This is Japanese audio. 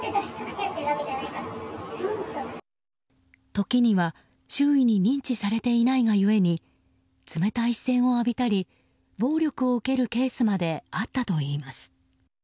時には周囲に認知されていないが故に冷たい視線を浴びたり暴力を受けるケースまであったといいます。